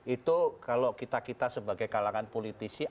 itu kalau kita kita sebagai kalangan politisi